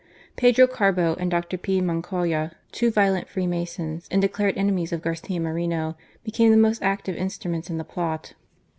Pedro Carbo, and Dr. P. Moncayo, two violent Freemasons and declared enemies of Garcia Moreno, became the most active instruments in the plot.